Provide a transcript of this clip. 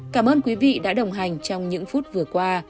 cảm ơn quý vị đã đồng hành trong những phút vừa qua